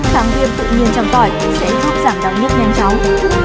tháng tiêm tự nhiên trồng tỏi sẽ giúp giảm đau nước nhanh chóng